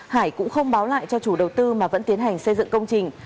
hải cũng không báo lại cho chủ đầu tư mà vẫn tiến hành xây dựng công trình